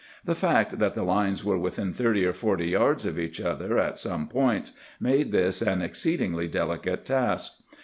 The fact that the lines were within thirty or forty yards of each other at some points made this an exceedingly delicate task.